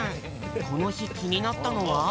このひきになったのは。